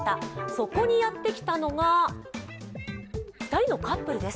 そこにやってきたのが２人のカップルです。